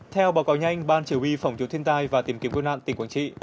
theo báo cáo nhanh ban chỉ huy phòng chống thiên tai và tìm kiếm cứu nạn tỉnh quảng trị